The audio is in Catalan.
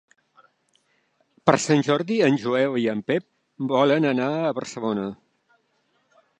Per Sant Jordi en Joel i en Pep volen anar a Barcelona.